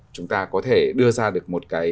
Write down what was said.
chúng ta có thể đưa ra được một cái